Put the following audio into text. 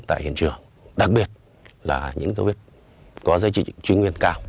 tại hiện trường đặc biệt là những giấu vết vật chứng